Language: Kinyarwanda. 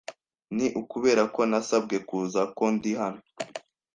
Ni ukubera ko nasabwe kuza ko ndi hano.